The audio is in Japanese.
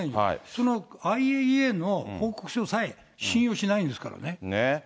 そのＩＡＥＡの報告書さえ信用しないんですからね。